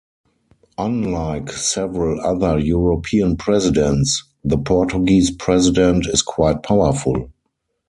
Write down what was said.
Unlike several other European presidents, the Portuguese President is quite powerful.